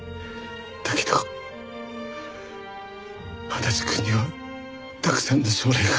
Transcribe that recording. だけど足立くんにはたくさんの将来があった。